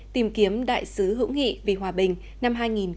tìm kiếm đại sứ hữu nghị vì hòa bình năm hai nghìn một mươi chín